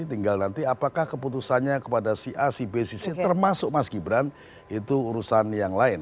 tinggal nanti apakah keputusannya kepada si a si b si c termasuk mas gibran itu urusan yang lain